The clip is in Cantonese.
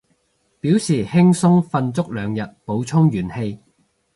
表示輕鬆瞓足兩日，補充元氣